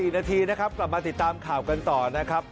๔นาทีนะครับกลับมาติดตามข่าวกันต่อนะครับ